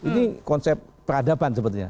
ini konsep peradaban sepertinya